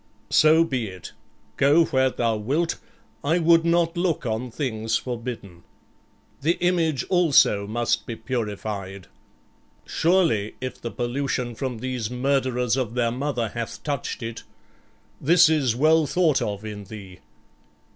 "So be it; go where thou wilt; I would not look on things forbidden." "The image also must be purified." "Surely, if the pollution from these murderers of their mother hath touched it. This is well thought of in thee."